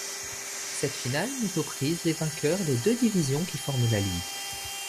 Cette finale met aux prises les vainqueurs des deux divisions qui forment la ligue.